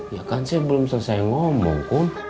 ya kan saya belum selesai ngomong pun